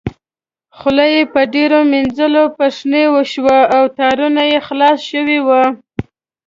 خولۍ په ډېرو مینځلو پښنې شوې او تارونه یې خلاص شوي وو.